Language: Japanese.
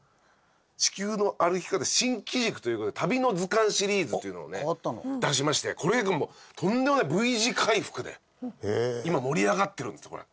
『地球の歩き方』新機軸という事で『旅の図鑑シリーズ』というのをね出しましてこれがとんでもないＶ字回復で今盛り上がってるんですってこれ。